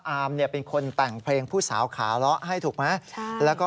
อามเป็นคนแต่งเพลงผู้สาวขาเลาะให้ถูกไหม